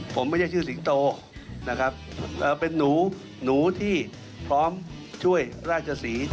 ผมไม่ใช่ชื่อสิงโตนะครับเป็นหนูหนูที่พร้อมช่วยราชศรี